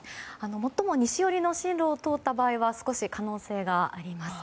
最も西寄りの進路を通った場合は少し可能性があります。